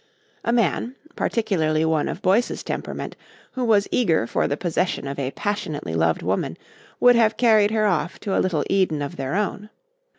A man, particularly one of Boyce's temperament, who was eager for the possession of a passionately loved woman, would have carried her off to a little Eden of their own.